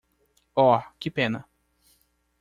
Oh, que pena!